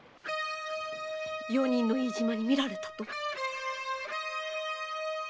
用人の飯島に見られたと？